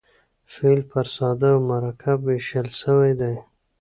فعل پر ساده او مرکب وېشل سوی دئ.